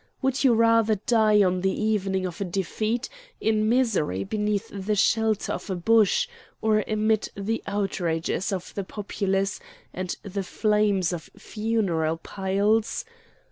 Would you rather die on the evening of a defeat, in misery beneath the shelter of a bush, or amid the outrages of the populace and the flames of funeral piles?